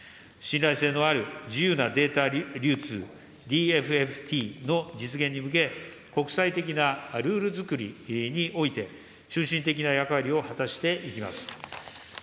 信頼性のある自由なデータ流通、ＤＦＦＴの実現に向け、国際的なルールづくりにおいて、中心的な役割を果たしていきます。